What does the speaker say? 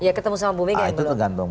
ya ketemu sama bu mega yang belum